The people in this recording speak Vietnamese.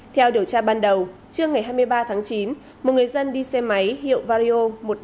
theo điều tra ban đầu trước ngày hai mươi ba tháng chín một người dân đi xe máy hiệu vario một trăm năm mươi